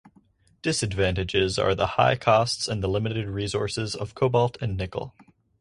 Disadvantages are the high costs and the limited resources of cobalt and nickel.